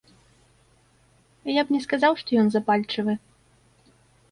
Я б не сказаў, што ён запальчывы.